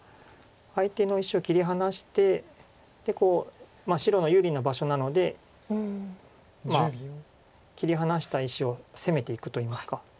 相手の石を切り離して白の有利な場所なので切り離した石を攻めていくといいますか。